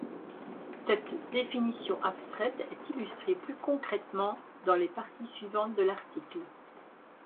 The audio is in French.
Cette définition abstraite est illustrée plus concrètement dans les parties suivantes de l'article.